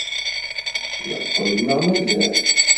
Yeqqel-d neɣ mazal?